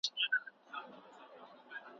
په همدې لاره ځو.